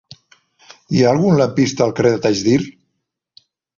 Hi ha algun lampista al carrer de Taxdirt?